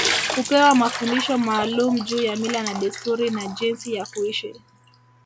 Hupewa mafundisho maalum juu ya mila na desturi na jinsi ya kuishi